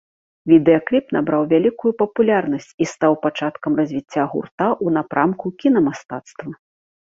Відэакліп набраў вялікую папулярнасць і стаў пачаткам развіцця гурта ў напрамку кінамастацтва.